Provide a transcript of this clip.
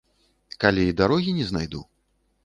Калі дарогі не знайду?